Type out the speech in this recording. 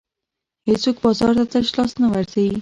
هېڅوک بازار ته تش لاس نه ورځي.